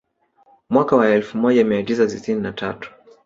Mwaka wa elfu moja mia tisa sitini na tatu